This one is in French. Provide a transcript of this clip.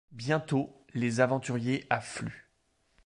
Bientôt, les aventuriers affluent.